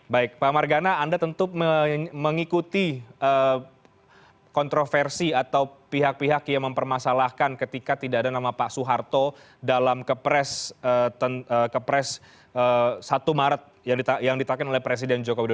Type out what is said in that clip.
baik pak margana anda tentu mengikuti kontroversi atau pihak pihak yang mempermasalahkan ketika tidak ada nama pak soeharto dalam kepres satu maret yang ditaken oleh presiden joko widodo